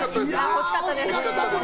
惜しかったです。